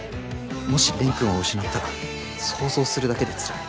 もし蓮くんを失ったら想像するだけでつらい。